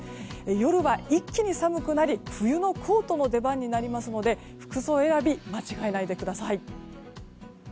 夜は一気に寒くなり冬のコートの出番になりますので服装選び間違えないでください。